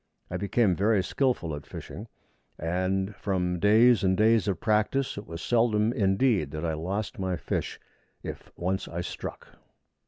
I became very skilful at fishing, and, from days and days of practice, it was seldom indeed that I lost my fish if once I struck.